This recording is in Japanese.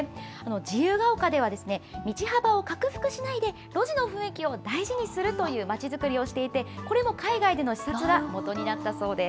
自由が丘では道幅を拡幅しないで、路地の雰囲気を大事にするという街づくりをしていて、これも海外での視察がもとになったそうです。